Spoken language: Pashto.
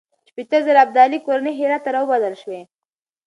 شپېته زره ابدالي کورنۍ هرات ته راوبلل شوې.